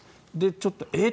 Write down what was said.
ちょっと、えっ？